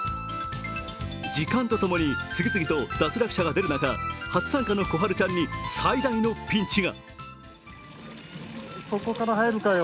時間と共に次々と脱落者が出る中、初参加のコハルちゃんに最大のピンチが。